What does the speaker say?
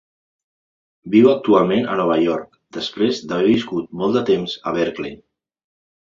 Viu actualment a Nova York després d'haver viscut molt de temps a Berkeley.